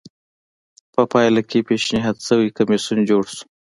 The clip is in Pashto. په پایله کې پېشنهاد شوی کمېسیون جوړ شو